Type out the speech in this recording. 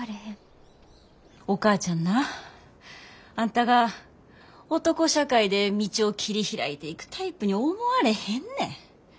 お母ちゃんなあんたが男社会で道を切り開いていくタイプに思われへんねん。